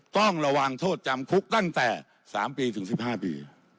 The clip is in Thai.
ต้องระวังโทษจำคุกตั้งแต่๓ปีถึง๑๕ปี